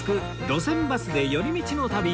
路線バスで寄り道の旅』